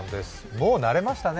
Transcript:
もう慣れましたね。